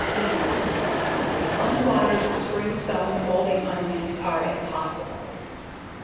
Leeks Unwatered spring sown bulbing onions are impossible.